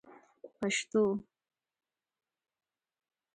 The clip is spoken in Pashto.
پشتو